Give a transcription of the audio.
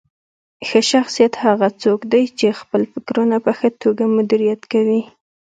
ښه شخصیت هغه څوک دی چې خپل فکرونه په ښه توګه مدیریت کوي.